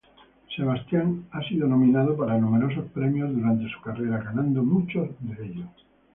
Sebastián ha sido nominado para numerosos premios durante su carrera, ganando muchos de ellos.